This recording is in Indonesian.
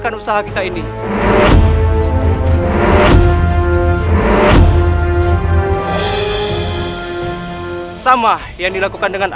kisah anak terima kasih kisah anak